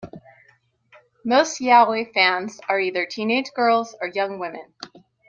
Most yaoi fans are either teenage girls or young women.